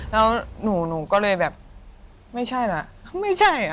แล้วหนูก็เลยแบบไม่ใช่ล่ะ